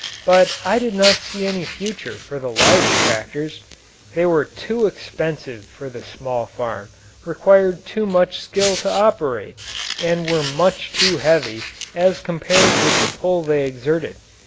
But I did not see any future for the large tractors. They were too expensive for the small farm, required too much skill to operate, and were much too heavy as compared with the pull they exerted.